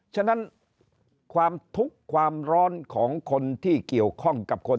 ฉะนั้นความทุกข์ความร้อนของคนที่เกี่ยวข้องกับคน